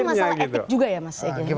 ini masalah etik juga ya mas ege